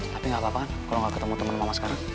tapi gak apa apa kan kalau gak ketemu temen mama sekarang